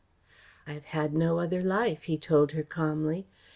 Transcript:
"I have had no other life," he told her calmly.